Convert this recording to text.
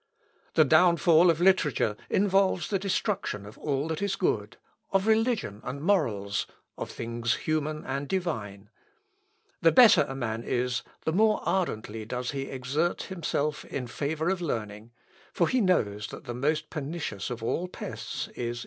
The downfall of literature involves the destruction of all that is good of religion and morals of things human and divine.... The better a man is, the more ardently does he exert himself in favour of learning, for he knows that the most pernicious of all pests is ignorance."